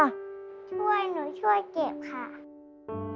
ช่วยหนูช่วยเก็บค่ะ